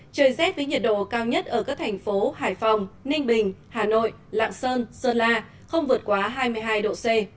trời rét với nhiệt độ cao nhất ở các thành phố hải phòng ninh bình hà nội lạng sơn la không vượt quá hai mươi hai độ c